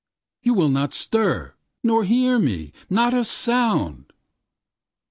You will not stir, Nor hear me, not a sound.